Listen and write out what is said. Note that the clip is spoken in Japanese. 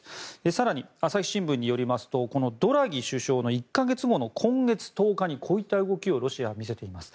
更に、朝日新聞によりますとこのドラギ首相の１か月後の今月１０日に、こういった動きをロシアは見せています。